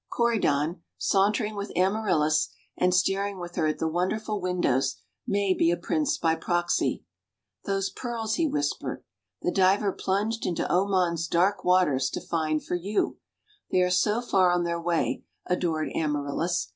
Corydon, sauntering with Amaryllis, and staring with her at the wonderful windows, may be a prince by proxy. "Those pearls," he whispers, "the diver plunged into Oman's dark waters to find for you. They are so far on their way, adored Amaryllis.